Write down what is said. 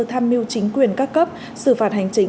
tham mưu chính quyền các cấp xử phạt hành chính